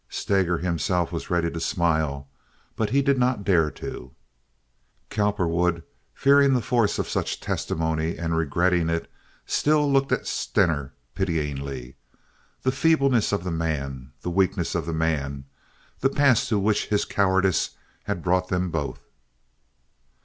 Steger himself was ready to smile, but he did not dare to. Cowperwood fearing the force of such testimony and regretting it, still looked at Stener, pityingly. The feebleness of the man; the weakness of the man; the pass to which his cowardice had brought them both!